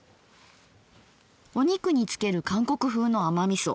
お肉に付ける韓国風の甘みそ。